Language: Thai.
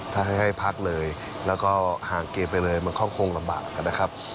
ถ้าให้พักเลยแล้วก็ห่างเกมไปเลยมันก็คงลำบากนะครับ